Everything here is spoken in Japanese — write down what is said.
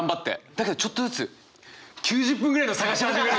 だけどちょっとずつ９０分ぐらいの探し始めるんですよ。